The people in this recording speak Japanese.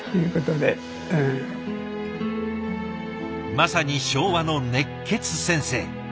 まさに昭和の熱血先生。